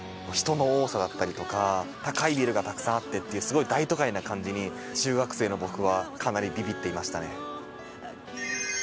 人の多さだったりとか高いビルがたくさんあってっていうすごい大都会な感じに中学生の僕はかなりビビっていましたね。